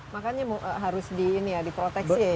makannya harus di ini ya di proteksi